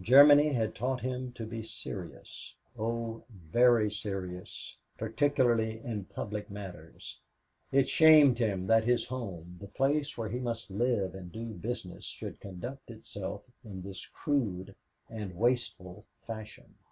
Germany had taught him to be serious oh, very serious, particularly in public matters. It shamed him that his home, the place where he must live and do business, should conduct itself in this crude and wasteful fashion.